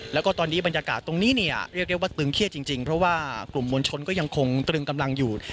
แล้วก็ตอนนี้บรรยากาศตรงนี้เนี่ยเรียกได้ว่าตึงเครียดจริงเพราะว่ากลุ่มมวลชนก็ยังคงตรึงกำลังอยู่